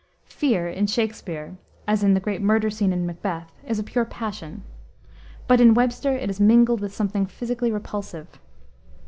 Fear, in Shakspere as in the great murder scene in Macbeth is a pure passion; but in Webster it is mingled with something physically repulsive.